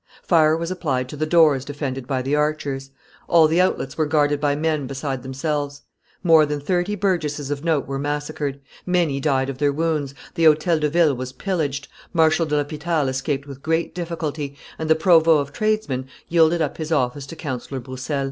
Fire was applied to the doors defended by the archers; all the outlets were guarded by men beside themselves; more than thirty burgesses of note were massacred; many died of their wounds, the Hotel de Ville was pillaged, Marshal de l'Hopital escaped with great difficulty, and the provost of tradesmen yielded up his office to Councillor Broussel.